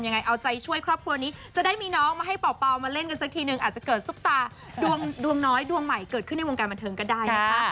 ยังไงเอาใจช่วยครอบครัวนี้จะได้มีน้องมาให้เป่ามาเล่นกันสักทีนึงอาจจะเกิดซุปตาดวงน้อยดวงใหม่เกิดขึ้นในวงการบันเทิงก็ได้นะคะ